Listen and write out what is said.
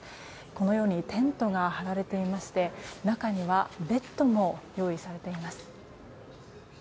このようにテントが張られていまして中にはベッドも用意されています。